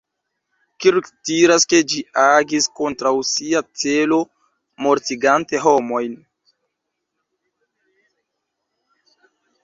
Kirk diras, ke ĝi agis kontraŭ sia celo mortigante homojn.